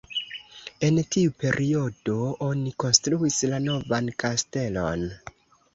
En tiu periodo oni konstruis la novan kastelon.